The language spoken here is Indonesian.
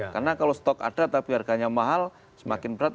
karena kalau stok ada tapi harganya mahal semakin berat